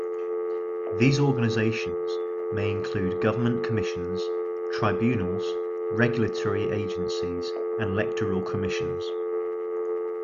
These organizations may include government commissions, tribunals, regulatory agencies and electoral commissions.